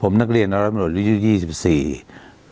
ผมนักเรียนน้องรับประโยชน์รุ่นยุ่นยี่สิบสี่อืม